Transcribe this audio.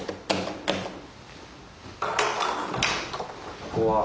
ここは？